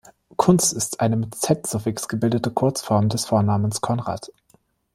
Kunz ist eine mit -z-Suffix gebildete Kurzform des Vornamens Konrad.